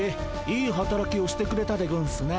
いいはたらきをしてくれたでゴンスな。